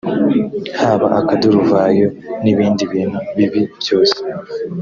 haba akaduruvayo n’ibindi bintu bibi byose